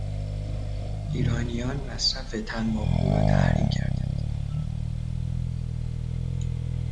ایرانیان مصرف تنباکو را تحریم کردند.